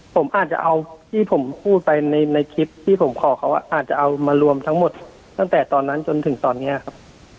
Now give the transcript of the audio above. ผมอาจจะเอาที่ผมพูดไปในคลิปที่ผมขอเขาอาจจะเอามารวมทั้งหมดตั้งแต่ตอนนั้นจนถึงตอนนี้ครับ